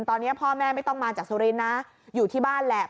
ตอนนี้พ่อแม่ไม่ต้องมาจากสุรินทร์นะอยู่ที่บ้านแหละ